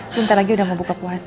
sebentar lagi udah mau buka puasa